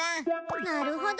なるほど。